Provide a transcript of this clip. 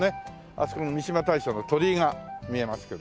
あそこに三嶋大社の鳥居が見えますけど。